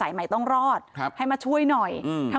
สายใหม่ต้องรอดให้มาช่วยหน่อย